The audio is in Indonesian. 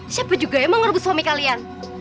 siapa juga yang mau ngerubah suami kalian